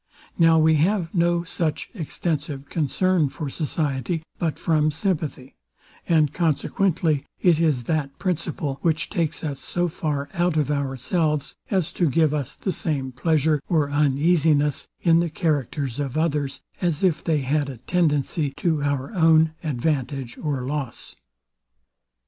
Now we have no such extensive concern for society but from sympathy; and consequently it is that principle, which takes us so far out of ourselves, as to give us the same pleasure or uneasiness in the characters of others, as if they had a tendency to our own advantage or loss.